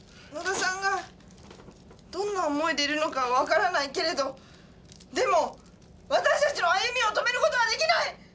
野田さんがどんな思いでいるのかは分からないけれどでも私たちの歩みを止めることはできない！